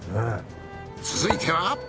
続いては。